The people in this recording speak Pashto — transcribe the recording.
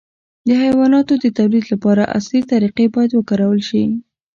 د حیواناتو د تولید لپاره عصري طریقې باید وکارول شي.